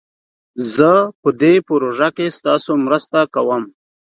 زه په دي پروژه کښي ستاسو مرسته کووم